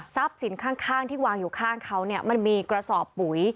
ทรัพย์สินข้างที่วางอยู่ข้างเขามันมีกระสอบปุ๋ย